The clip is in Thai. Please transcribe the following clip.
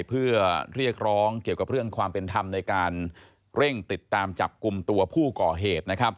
เพื่อเรียกร้องเกี่ยวกับเรื่องความเป็นธรรมในการเร่งติดตามจับกลุ่มตัวผู้ก่อเหตุ